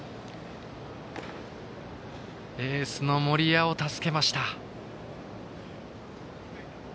エースの森谷を助けました。